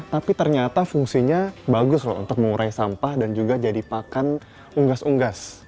tapi ternyata fungsinya bagus loh untuk mengurai sampah dan juga jadi pakan unggas unggas